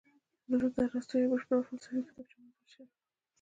دلته د ارسطو یوه بشپړه فلسفي کتابچه موندل شوې